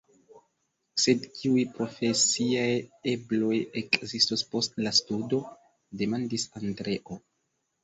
Sed kiuj profesiaj ebloj ekzistos post la studo, demandis Andreo.